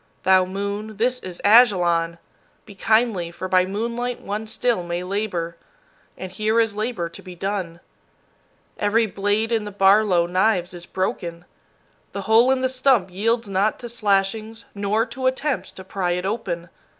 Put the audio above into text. Thou moon, this is Ajalon! Be kindly, for by moonlight one still may labor, and here is labor to be done. Every blade in the Barlow knives is broken. The hole in the stump yields not to slashings, nor to attempts to pry it open.